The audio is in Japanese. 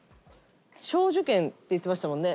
松壽軒って言ってましたもんね